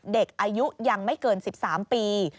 เด็กอายุยังไม่เกิน๑๓ปี